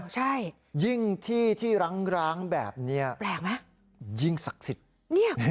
ใช่ยิ่งที่ที่ร้างร้างแบบนี้แปลกไหมยิ่งศักดิ์สิทธิ์